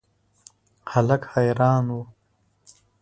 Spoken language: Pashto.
هلک حیران و.